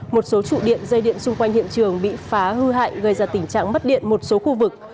một số trụ điện dây điện xung quanh hiện trường bị phá hư hại gây ra tình trạng mất điện một số khu vực